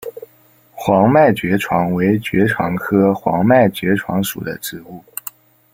黄脉爵床为爵床科黄脉爵床属的植物。